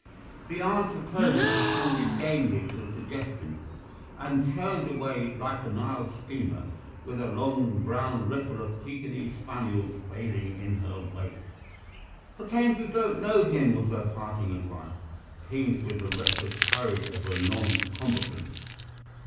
The aunt of Clovis responded gamely to the suggestion, and churned away like a Nile steamer, with a long brown ripple of Pekingese spaniel trailing in her wake. "Pretend you don't know him," was her parting advice, tinged with the reckless courage of the non combatant.